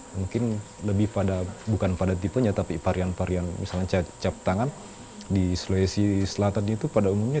mungkin lebih pada bukan pada tipenya tapi varian varian misalnya cap tangan di sulawesi selatan itu pada umumnya